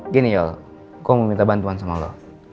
gini yol kau mau minta bantuan sama lo